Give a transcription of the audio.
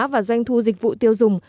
và doanh thu dịch vụ tiêu dùng